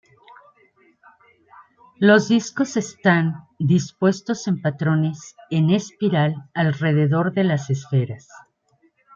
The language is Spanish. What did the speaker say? Los discos están dispuestos en patrones en espiral alrededor de las esferas.